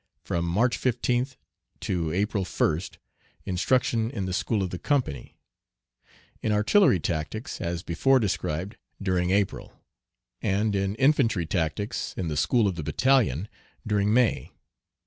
from March 15th to April 1st instruction in the school of the company; in artillery tactics, as before described during April; and in infantry tactics, in the "School of the Battalion," during May.